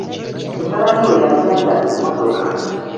Mutabani we yatunda emmotoka.